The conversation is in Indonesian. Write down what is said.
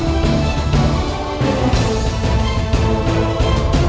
beli ubi sama singkongnya ya